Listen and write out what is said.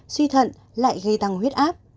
suy thận lại gây tăng huyết áp